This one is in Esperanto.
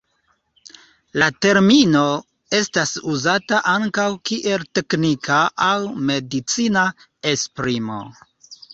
La termino estas uzata ankaŭ kiel teknika aŭ medicina esprimo.